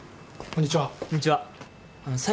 こんにちは。